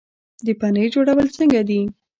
د پنیر جوړول څنګه دي؟